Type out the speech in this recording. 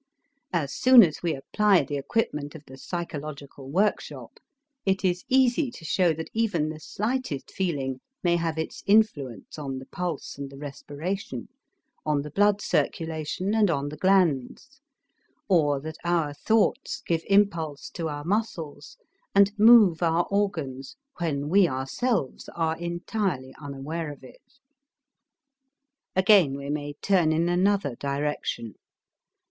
As soon as we apply the equipment of the psychological workshop, it is easy to show that even the slightest feeling may have its influence on the pulse and the respiration, on the blood circulation and on the glands; or, that our thoughts give impulse to our muscles and move our organs when we ourselves are entirely unaware of it. Again we may turn in another direction.